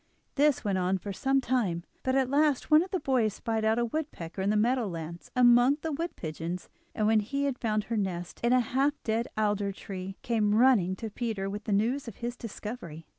This went on for some time, but at last one of the boys spied out a woodpecker in the meadow lands among the wood pigeons, and when he had found her nest in a half dead alder tree, came running to Peter with the news of his discovery.